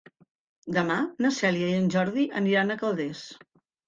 Demà na Cèlia i en Jordi aniran a Calders.